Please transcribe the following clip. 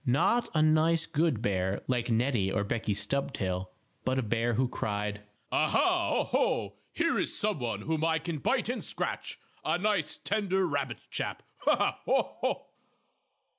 Not a nice good bear, like Neddie or Beckie Stubtail, but a bear who cried: "Ah, ha! Oh, ho! Here is some one whom I can bite and scratch! A nice tender rabbit chap! Ah, ha! Oh, ho!"